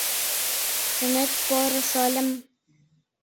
Чонет поро, шольым.